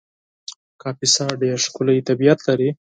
کاپیسا ډېر ښکلی طبیعت لري